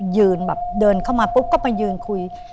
ยืนแบบเดินเข้ามาปุ๊บก็ไปยืนคุย